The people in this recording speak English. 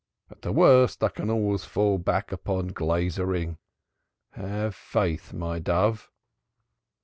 At the worst I can always fall back upon glaziering. Have faith, my dove."